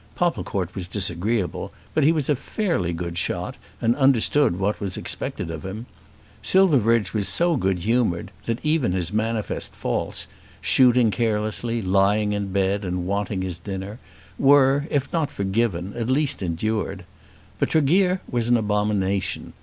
Popplecourt was disagreeable, but he was a fairly good shot and understood what was expected of him. Silverbridge was so good humoured, that even his manifest faults, shooting carelessly, lying in bed and wanting his dinner, were, if not forgiven, at least endured. But Tregear was an abomination.